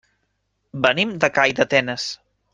Venim de Calldetenes.